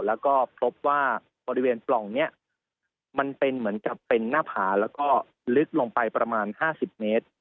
แล้วก็พบว่าบริเวณปล่องนี้มันเป็นเหมือนกับเป็นหน้าผาแล้วก็ลึกลงไปประมาณ๕๐เมตร